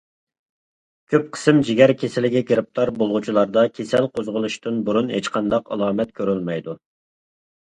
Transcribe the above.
كۆپ قىسىم جىگەر كېسىلىگە گىرىپتار بولغۇچىلاردا كېسەل قوزغىلىشتىن بۇرۇن ھېچقانداق ئالامەت كۆرۈلمەيدۇ.